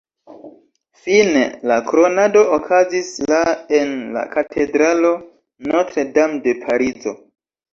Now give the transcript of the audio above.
Fine, la kronado okazis la en la katedralo Notre-Dame de Parizo.